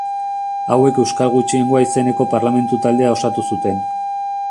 Hauek euskal gutxiengoa izeneko parlamentu-taldea osatu zuten.